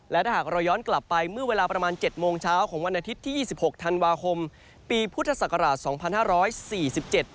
และถ้าหากเราย้อนกลับไปเมื่อเวลาประมาณ๗โมงเช้าของวันอาทิตย์ที่๒๖ธันวาคมปีพุทธศักราช๒๕๔๗